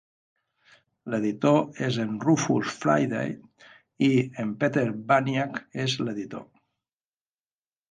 L'editor és en Rufus Friday, i en Peter Baniak és l'editor.